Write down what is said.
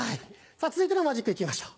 さぁ続いてのマジック行きましょう。